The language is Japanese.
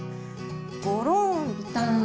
ごろんびたん。